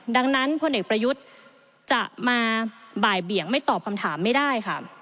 ดังนั้นพลเอกประยุทธ์จะมาบ่ายเบี่ยงไม่ตอบคำถามไม่ได้ค่ะ